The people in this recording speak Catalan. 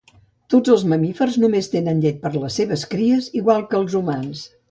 Tots els mamífers només tenen llet per les seves cries igual que els humans